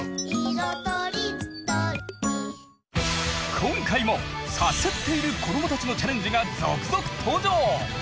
今回もサスっている子どもたちのチャレンジが続々登場！